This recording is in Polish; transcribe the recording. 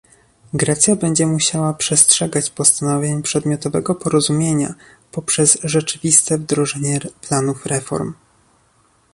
Grecja będzie musiała przestrzegać postanowień przedmiotowego porozumienia poprzez rzeczywiste wdrożenie planów reform